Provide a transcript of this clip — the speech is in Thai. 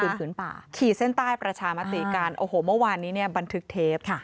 ขี่เส้นใต้ประชามติกันโอ้โหเมื่อวานนี้เนี่ยบันทึกเทปค่ะ